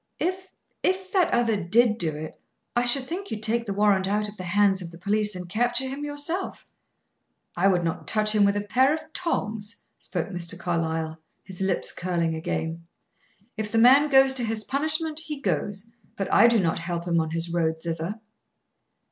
"If if that other did do it, I should think you'd take the warrant out of the hands of the police and capture him yourself." "I would not touch him with a pair of tongs," spoke Mr. Carlyle, his lips curling again. "If the man goes to his punishment, he goes; but I do not help him on his road thither."